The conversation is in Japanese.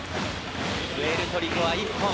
プエルトリコは１本。